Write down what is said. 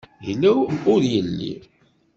Yella ur yelli.